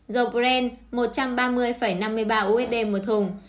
dầu brent một trăm ba mươi năm mươi ba usd một thùng